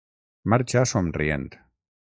Marxa somrient.